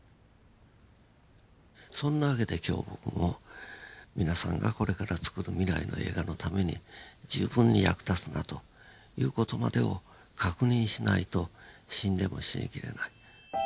そんなわけで今日僕も皆さんがこれからつくる未来の映画のために十分に役立つなという事までを確認しないと死んでも死にきれない。